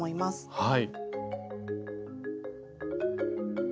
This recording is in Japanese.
はい。